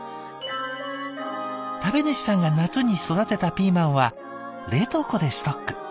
「食べ主さんが夏に育てたピーマンは冷凍庫でストック。